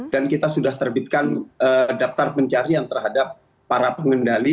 dan kita sudah terbitkan daftar pencarian terhadap para pengendali